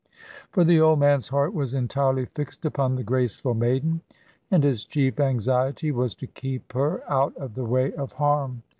For the old man's heart was entirely fixed upon the graceful maiden, and his chief anxiety was to keep her out of the way of harm.